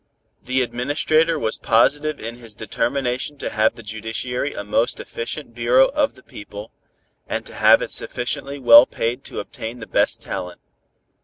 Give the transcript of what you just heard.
The Administrator was positive in his determination to have the judiciary a most efficient bureau of the people, and to have it sufficiently well paid to obtain the best talent.